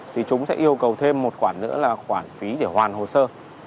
thì chúng sẽ yêu cầu thêm một khoản nữa là khoản phí để hoàn hồ sơ